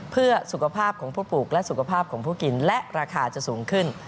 เพื่อสุขภาพของผู้ปลูกและสุขภาพของผู้กินและราคาจะสูงขึ้น